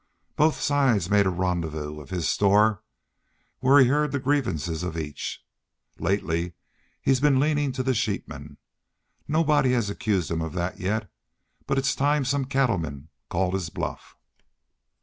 Both sides made a rendezvous of his store, where he heard the grievances of each. Laterly he's leanin' to the sheepmen. Nobody has accused him of that yet. But it's time some cattleman called his bluff."